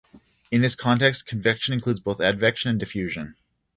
In this context, convection includes both advection and diffusion.